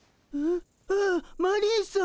ん？あっマリーさん。